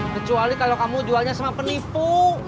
kecuali kalau kamu jualnya sama penipu